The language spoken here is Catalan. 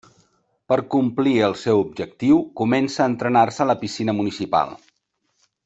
Per complir el seu objectiu, comença a entrenar-se a la piscina municipal.